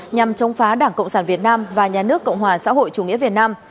nhằm chống phá đảng cộng sản việt nam và nhà nước cộng hòa xã hội chủ nghĩa việt nam